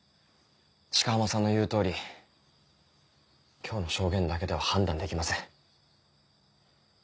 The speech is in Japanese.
鹿浜さんの言う通り今日の証言だけでは判断できません。